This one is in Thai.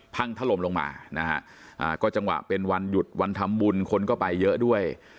พังถล่มลงมานะฮะก็จังหวะเป็นวันหยุดวันทำบุญคนก็ไปเยอะด้วย